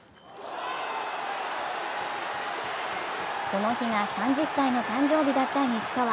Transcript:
この日が３０歳の誕生日だった西川。